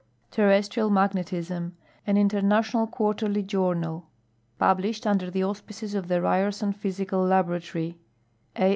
Terrestrial Magiu tisni: .\n International (Quarterly Journal. Publislu'd under the Auspices of the Ryenson Physical Laboratory, A.